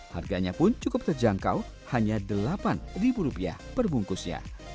harganya pun cukup terjangkau hanya delapan rupiah per bungkusnya